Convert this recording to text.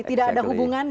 tidak ada hubungannya